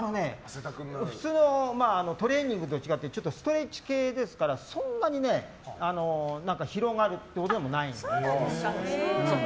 普通のトレーニングと違ってちょっとストレッチ系ですからそんなに疲労があるってほどではないです。